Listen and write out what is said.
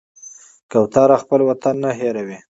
کوتره خپل وطن نه هېروي.